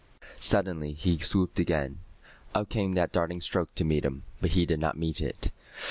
Suddenly he swooped again. Up came that darting stroke to meet him. But he did not meet it.